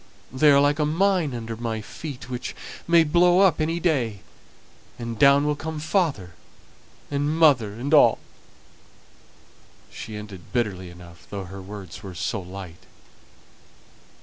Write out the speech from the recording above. They are like a mine under my feet, which may blow up any day; and down will come father and mother and all." She ended bitterly enough, though her words were so light.